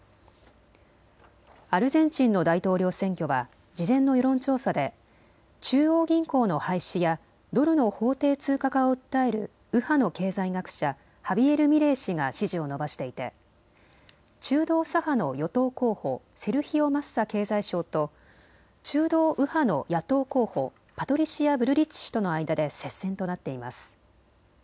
アルゼンチンの大統領選挙は事前の世論調査で中央銀行の廃止やドルの法定通貨化を訴える右派の経済学者、ハビエル・ミレイ氏が支持を伸ばしていて中道左派の与党候補、セルヒオ・マッサ経済相と中道右派の野党候補、パトリシア・ブルリッチ氏との間で接戦となっています。